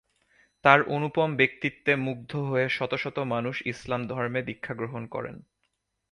তার অনুপম ব্যক্তিত্বে মুগ্ধ হয়ে শত শত মানুষ ইসলাম ধর্মে দীক্ষা গ্রহণ করেন।